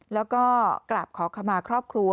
แล้วก็กราบขอขมาครอบครัว